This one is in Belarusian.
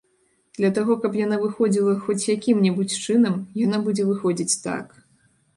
Для таго, каб яна выходзіла хоць якім-небудзь чынам, яна будзе выходзіць так.